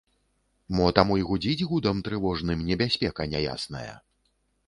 Мо таму й гудзіць гудам трывожным небяспека няясная?